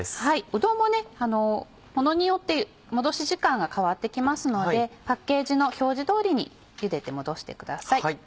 うどんもものによって戻し時間が変わって来ますのでパッケージの表示通りにゆでて戻してください。